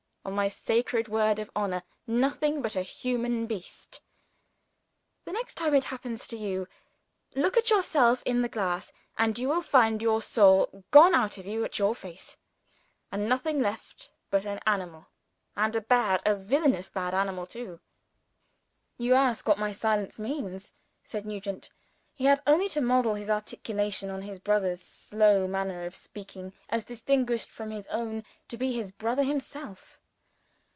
On my sacred word of honor, nothing but a human beast! The next time it happens to You, look at yourself in the glass; and you will find your soul gone out of you at your face, and nothing left but an animal and a bad, a villainous bad animal too! "You ask what my silence means?" said Nugent. He had only to model his articulation on his brother's slower manner of speaking as distinguished from his own, to be his brother himself.